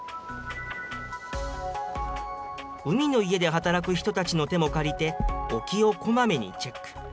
海の家で働く人たちの手も借りて、沖をこまめにチェック。